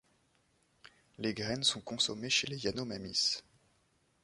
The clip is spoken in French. Les graines sont consommées chez les Yanomamis.